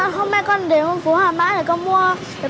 hôm nay con đến phố hàng mã để con mua đồ trang trí tết